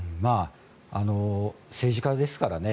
政治家ですからね。